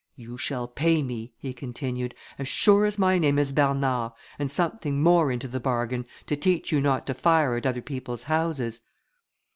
"You shall pay me," he continued, "as sure as my name is Bernard, and something more into the bargain, to teach you not to fire at other people's houses."